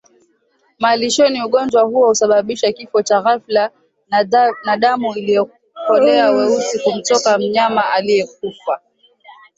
malishoni Ugonjwa huo husababisha kifo cha ghafla na damu iliyokolea weusi humtoka mnyama aliyekufa